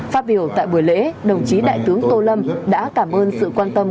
phát biểu tại buổi lễ đồng chí đại tướng tô lâm đã cảm ơn sự quan tâm